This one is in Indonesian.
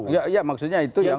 ya maksudnya itu yang